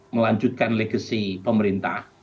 melanjutkan legacy pemerintah